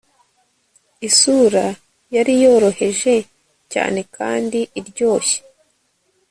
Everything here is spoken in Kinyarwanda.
isura yari yoroheje cyane kandi iryoshye